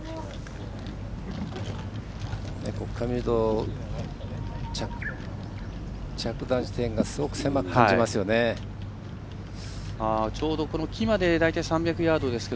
ここから見ると着弾地点が狭く感じますよね。